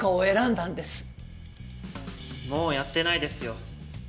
もうやってないですよ。